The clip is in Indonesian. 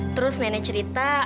terus nenek cerita